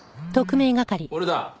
俺だ。